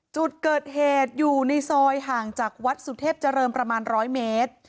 จุดเกิดเหตุอยู่ในซอยห่างจากวัดสุเทพเจริญประมาณ๑๐๐เมตร